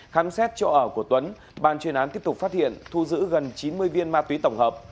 khám xét chỗ ở của tuấn ban chuyên án tiếp tục phát hiện thu giữ gần chín mươi viên ma túy tổng hợp